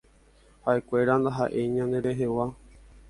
Haʼekuéra ndahaʼéi ñande rehegua.